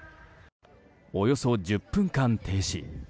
およそ１０分間、停止。